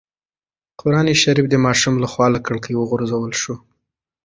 قرانشریف د ماشوم له خوا له کړکۍ وغورځول شو.